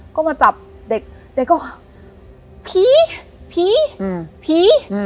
ก็มาจับเด็กเด็กก็ผีผีอืมผีอืม